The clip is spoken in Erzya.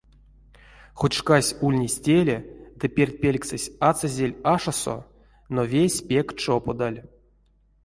Хоть шкась ульнесь теле ды перть пельксэсь ацазель ашосо, но весь пек чоподаль.